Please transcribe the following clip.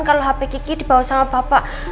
kalau hp kiki dibawa sama bapak